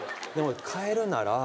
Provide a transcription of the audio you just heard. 変えるなら。